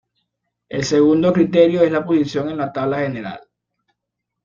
El segundo criterio es la posición en la tabla general.